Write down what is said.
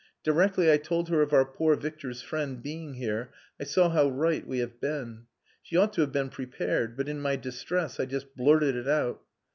Directly I told her of our poor Victor's friend being here I saw how right we have been. She ought to have been prepared; but in my distress I just blurted it out.